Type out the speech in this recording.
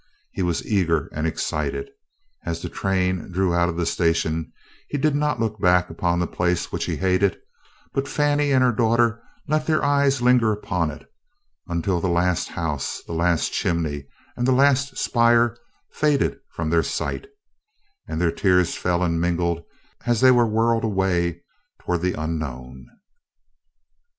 He was eager and excited. As the train drew out of the station, he did not look back upon the place which he hated, but Fannie and her daughter let their eyes linger upon it until the last house, the last chimney, and the last spire faded from their sight, and their tears fell and mingled as they were whirled away toward the unknown.